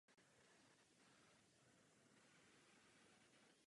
Diskuse o rozpočtech právě začala.